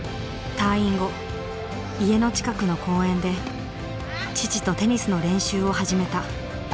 退院後家の近くの公園で父とテニスの練習を始めた。